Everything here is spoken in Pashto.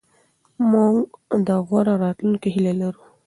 موږ د غوره راتلونکي هیله لرو.